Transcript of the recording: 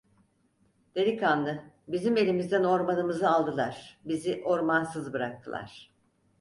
Delikanlı, bizim elimizden ormanımızı aldılar, bizi ormansız bıraktılar…